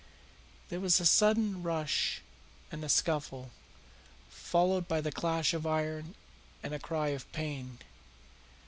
There was a sudden rush and a scuffle, followed by the clash of iron and a cry of pain.